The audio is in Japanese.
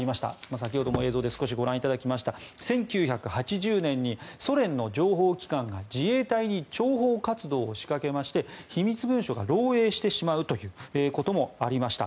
先ほども映像でご覧いただきましたが１９８０年にソ連の情報機関が自衛隊に諜報活動を仕掛けまして秘密文書が漏洩してしまうこともありました。